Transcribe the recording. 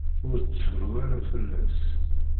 Ur ttru ara fell-as.